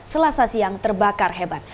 selasa siang terbakar hebat